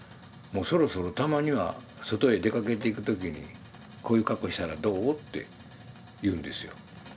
「もうそろそろたまには外へ出かけていく時にこういう格好したらどう？」って言うんですよ。